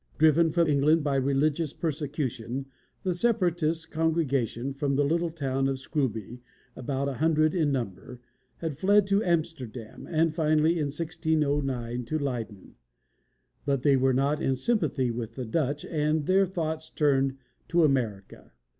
Driven from England by religious persecution, the Separatist congregation from the little town of Scrooby, about a hundred in number, had fled to Amsterdam, and finally, in 1609, to Leyden. But they were not in sympathy with the Dutch, and their thoughts turned to America.